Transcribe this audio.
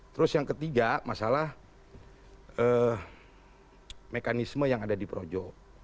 terus yang ketiga masalah mekanisme yang ada di projo